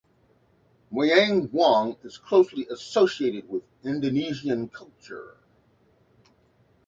Wayang wong is closely associated with Indonesian culture.